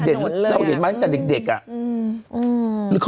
ได้ใช่ฮะ